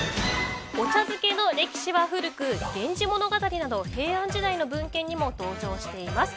お茶漬けの歴史は古く源氏物語など平安時代の文献にも登場しています。